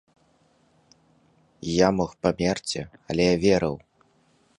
Я мог памерці, але я верыў.